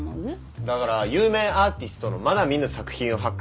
だから有名アーティストのまだ見ぬ作品を発掘。